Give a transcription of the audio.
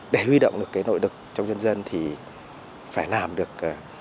để huy động được nội lực trong dân dân thì phải làm được